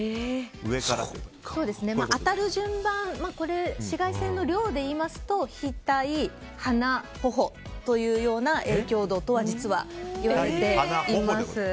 当たる順番紫外線の量で言いますと額、鼻、頬という影響度と実はいわれています。